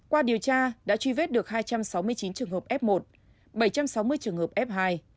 qua điều tra đã truy vết được hai trăm sáu mươi chín trường hợp f một bảy trăm sáu mươi trường hợp f hai